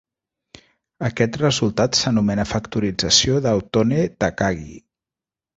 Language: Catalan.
Aquest resultat s'anomena factorització d'Autonne-Takagi.